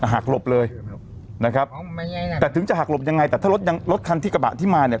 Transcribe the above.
หักหลบเลยนะครับแต่ถึงจะหักหลบยังไงแต่ถ้ารถยังรถคันที่กระบะที่มาเนี่ย